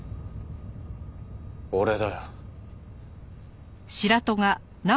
俺だよ。